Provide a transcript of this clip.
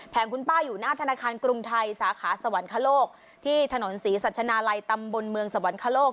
คุณป้าอยู่หน้าธนาคารกรุงไทยสาขาสวรรคโลกที่ถนนศรีสัชนาลัยตำบลเมืองสวรรคโลก